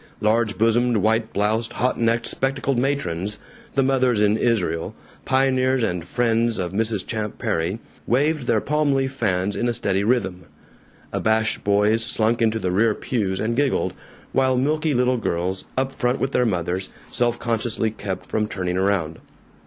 Large bosomed, white bloused, hot necked, spectacled matrons the Mothers in Israel, pioneers and friends of Mrs. Champ Perry waved their palm leaf fans in a steady rhythm. Abashed boys slunk into the rear pews and giggled, while milky little girls, up front with their mothers, self consciously kept from turning around.